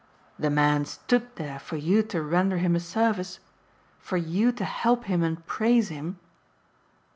"The man stood there for you to render him a service? for you to help him and praise him?"